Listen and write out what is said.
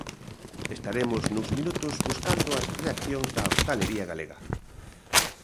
Estaremos nuns minutos buscando as reaccións da hostalería galega.